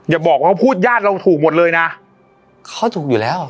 อย่าบอกว่าพูดญาติเราถูกหมดเลยนะเขาถูกอยู่แล้ว